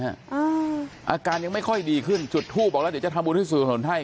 อ้าวอาการยังไม่ค่อยดีขึ้นจุดทูบบอกแล้วเดี๋ยวจะทำบุญอุทิศสุนกุศลให้